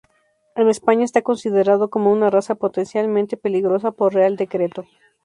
En España está considerado como una raza potencialmente peligrosa por Real decreto.